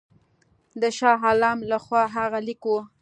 د شاه عالم له خوا هغه لیک وو.